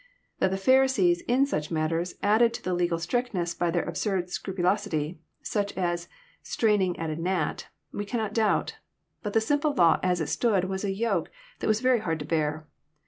That the Pharisees, in such matters, added to legal strictness by their absurd scrupulosity, such as straining at a gnat," we cannot doubt ; but the simple law as it stood was a yoke that was very hard to bear.